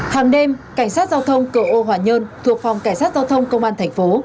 hàng đêm cảnh sát giao thông cửa ô hòa nhơn thuộc phòng cảnh sát giao thông công an thành phố